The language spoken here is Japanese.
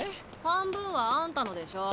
半分はあんたのでしょ。